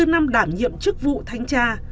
hai mươi năm đảm nhiệm chức vụ thanh tra